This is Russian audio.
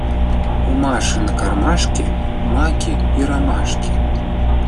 У Маши на кармашке маки и ромашки.